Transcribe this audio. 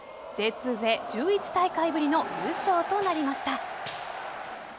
Ｊ２勢１１大会ぶりの優勝となりました。